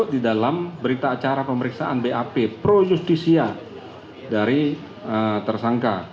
di dalam berita acara pemeriksaan bap pro justisia dari tersangka